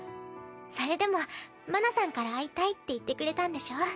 それでも麻奈さんから会いたいって言ってくれたんでしょ？